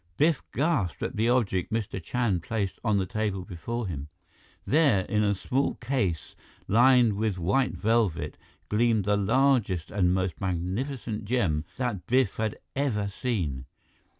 Biff gasped at the object Mr. Chand placed on the table before him. There, in a small case lined with white velvet, gleamed the largest and most magnificent gem that Biff had ever seen.